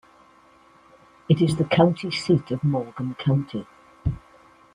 It is the county seat of Morgan County.